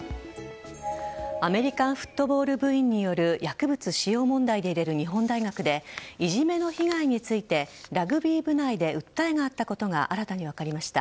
アメリカンフットボール部員による薬物使用問題で揺れる日本大学でいじめの被害についてラグビー部内で訴えがあったことが新たに分かりました。